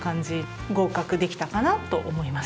合格できたかなと思います。